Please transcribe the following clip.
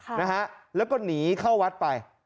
ค่ะนะฮะแล้วก็หนีเข้าวัดไป